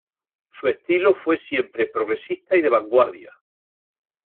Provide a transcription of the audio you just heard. Su estilo fue siempre progresista y de vanguardia.